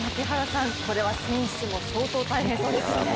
これは選手も相当大変そうですよね。